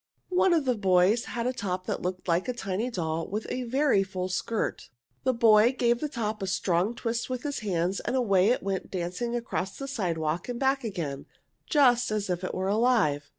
One of the boys had a top which looked like a tiny doll with a very full skirt. The boy gave the top a strong twist with his hands, and away it went dancing across the sidewalk and back again, just as if it were alive.